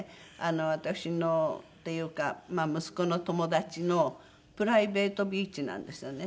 私のっていうか息子の友達のプライベートビーチなんですよね。